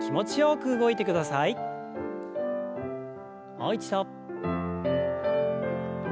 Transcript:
もう一度。